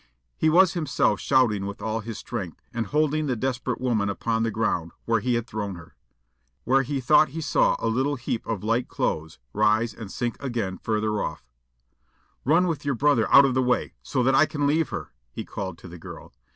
He was himself shouting with all his strength, and holding the desperate woman upon the ground, where he had thrown her. Every moment he was watching the dark water, where he thought he saw a little heap of light clothes rise and sink again further off. "Run with your brother out of the way, so that I can leave her," he called to the girl.